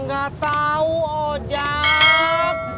gak tau oh jak